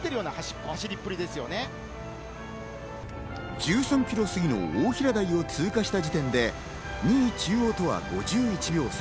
１３ｋｍ過ぎの大平台を通過した時点で２位・中央とは５１秒差。